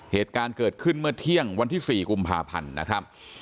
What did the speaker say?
เหตุการณ์เกิดขึ้นเมื่อเที่ยงวันที่๔กุมภาพันธ์นะครับ